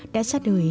đã ra đời